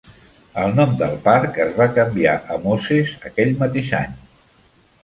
El nom del parc es va canviar a Moses aquell mateix any.